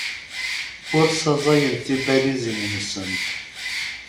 Ur ssaẓayent tibalizin-nsent.